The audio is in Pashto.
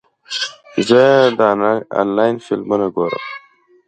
زه د انلاین فلمونه ګورم.